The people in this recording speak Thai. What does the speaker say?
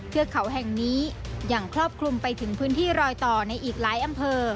เทือกเขาแห่งนี้ยังครอบคลุมไปถึงพื้นที่รอยต่อในอีกหลายอำเภอ